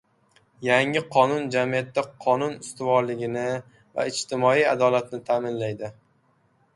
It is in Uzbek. Yangi qonun jamiyatda qonun ustuvorligini va ijtimoiy adolatni ta’minlaydi